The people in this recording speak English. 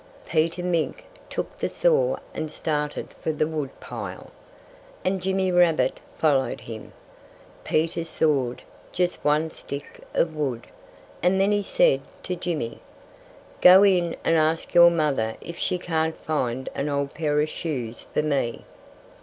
Peter Mink took the saw and started for the wood pile. And Jimmy Rabbit followed him. Peter sawed just one stick of wood; and then he said to Jimmy: "Go in and ask your mother if she can't find an old pair of shoes for me."